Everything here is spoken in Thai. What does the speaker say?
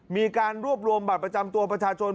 มีการรวบรวมบัตรประจำตัวประชาชน